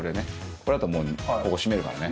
これだともうここ湿るからね。